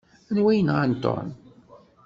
Anwa i yenɣan Tom?